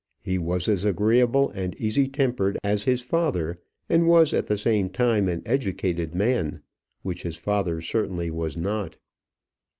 He was as agreeable and easy tempered as his father; and was at the same time an educated man, which his father certainly was not.